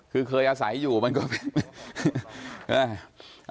คือเคยอาศัยอยู่มันก็